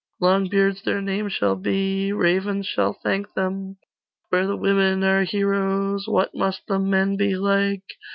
Longbeards their name shall be, Ravens shall thank them: Where the women are heroes, What must the men be like?